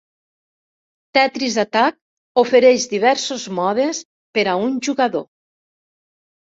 "Tetris Attack" ofereix diversos modes per a un jugador.